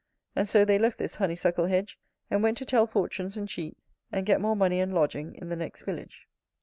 And so they left this honeysuckle hedge; and went to tell fortunes and cheat, and get more money and lodging in the next village.